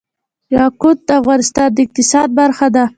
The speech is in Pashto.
یاقوت د افغانستان د اقتصاد برخه ده.